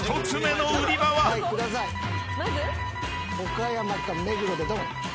岡山か目黒でドン！